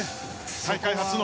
大会初の。